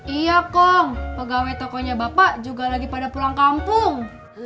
iya kang pegawai tokonya bapak juga lagi pada pulang kampung